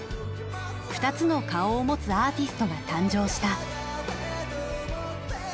２つの顔を持つアーティストが誕生した。